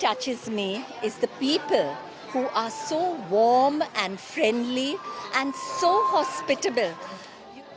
yang benar benar menarik adalah orang orang yang sangat hangat baik dan sangat berhubungan